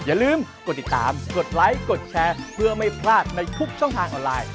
อย่าลืมกดติดตามกดไลค์กดแชร์เพื่อไม่พลาดในทุกช่องทางออนไลน์